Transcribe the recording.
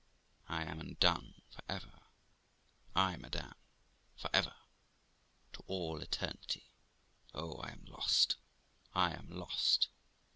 I am undone for ever! ay, madam, for ever! to all eternity! Oh! I am lost! I am lost!